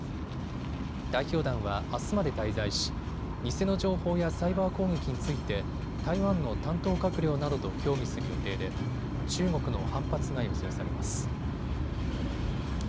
代表団はあすまで滞在し偽の情報やサイバー攻撃について台湾の担当閣僚などと協議する予定で中国の反発が予想されます。